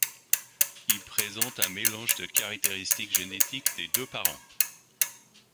Ils présentent un mélange de caractéristiques génétiques des deux parents.